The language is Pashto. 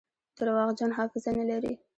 درواغجن حافظه نلري.